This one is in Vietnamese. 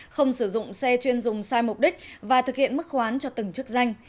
không sử dụng xe chuyên dùng sai mục đích và thực hiện mức khoán cho từng chức danh